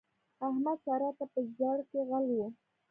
احمد؛ سارا ته په زړ کې غل وو.